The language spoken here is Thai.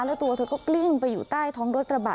แล้วตัวเธอก็กลิ้งไปอยู่ใต้ท้องรถกระบะ